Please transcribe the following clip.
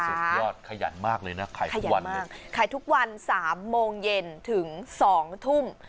สุดยอดขยันมากเลยนะขายทุกวันขายทุกวัน๓โมงเย็นถึง๒ทุ่ม